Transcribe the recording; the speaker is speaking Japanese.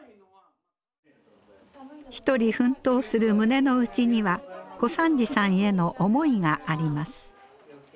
一人奮闘する胸の内には小三治さんへの思いがあります。